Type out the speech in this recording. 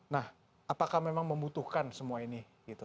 nah apakah memang membutuhkan semua ini